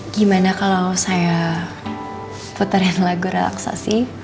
gimana kalau saya putarin lagu relaksasi